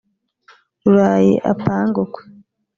Rurayi apange ukwe